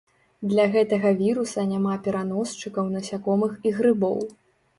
Для гэтага віруса няма пераносчыкаў насякомых і грыбоў.